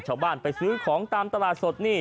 ชาวบ้านไปซื้อของตามตลาดสดนี่